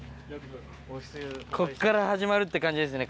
こっから始まるって感じですね